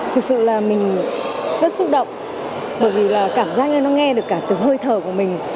thực sự là mình rất xúc động bởi vì là cảm giác như nó nghe được cả từ hơi thở của mình